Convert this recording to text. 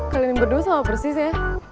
kalian berdua sama persis ya